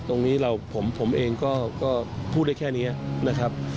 ตรงนี้ผมเองก็พูดได้แค่นี้นะครับ